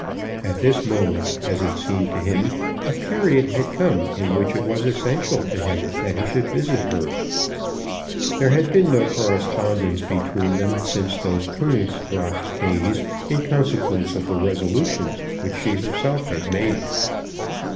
At this moment, as it seemed to him, a period had come in which it was essential to him that he should visit her. There had been no correspondence between them since those Königsgraaf days in consequence of the resolutions which she herself had made.